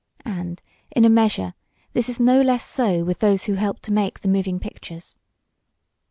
And, in a measure, this is no less so with those who help to make the moving pictures.